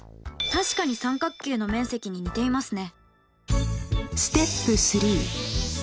確かに三角形の面積に似ていますね。